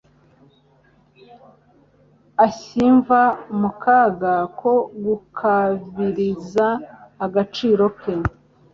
ashyimva mu kaga ko gukabiriza agaciro ke.